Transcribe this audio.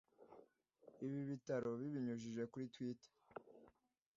Ibi bitaro bibinyujije kuri Twitter